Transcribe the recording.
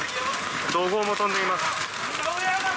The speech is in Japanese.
怒号も飛んでいます。